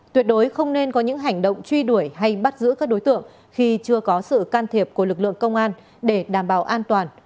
tuyệt đối không nên có những hành động truy đuổi hay bắt giữ các đối tượng khi chưa có sự can thiệp của lực lượng công an để đảm bảo an toàn